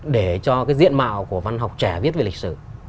để cho cái diện mạo của văn học trẻ viết về lịch sử